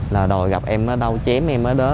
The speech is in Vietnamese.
là đòi gặp em ở đâu chém em ở đó